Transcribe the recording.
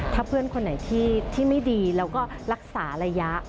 ถ้าเพื่อนคนไหนที่ไม่ดีแล้วก็รักษาระยะ